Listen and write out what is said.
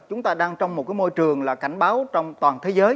chúng ta đang trong một cái môi trường là cảnh báo trong toàn thế giới